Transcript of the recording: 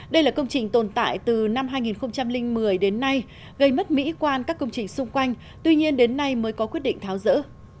đây là công trình tồn tại từ năm hai nghìn một mươi đến nay gây mất mỹ quan các công trình xung quanh tuy nhiên đến nay mới có quyết định tháo rỡ